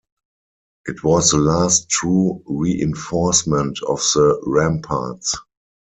It was the last true reinforcement of the ramparts.